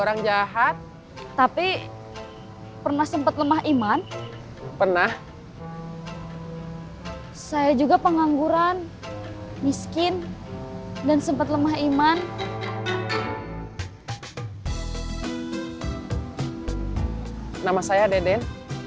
nama saya deden